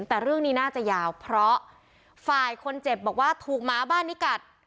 แต่เรื่องนี้น่าจะยาวเพราะฝ่ายคนเจ็บบอกว่าถูกหมาบ้านนี้กัด